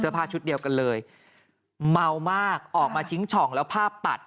ผ้าชุดเดียวกันเลยเมามากออกมาชิงช่องแล้วผ้าปัด